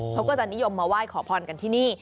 พวกเขาจะนิยมมาว่ายขอพรกันที่นี่